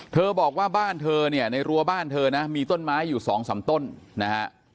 บอกว่าบ้านเธอเนี่ยในรัวบ้านเธอนะมีต้นไม้อยู่สองสามต้นนะฮะ